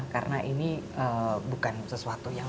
karena ini bukan sesuatu yang